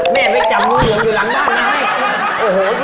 แม่ไม่จำมือเหลืองอยู่หลังบ้านไง